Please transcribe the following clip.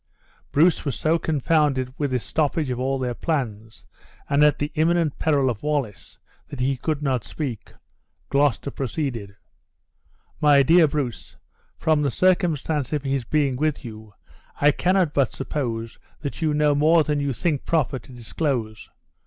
Bruce was so confounded with this stoppage of all their plans, and at the imminent peril of Wallace, that he could not speak. Gloucester proceeded: "My dear Bruce, from the circumstance of his being with you, I cannot but suppose that you know more than you think proper to disclose.